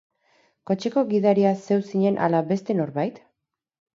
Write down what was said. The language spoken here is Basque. Kotxeko gidaria zeu zinen ala beste norbait?